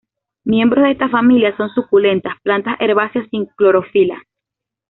Miembros de esta familia son suculentas, plantas herbáceas sin clorofila.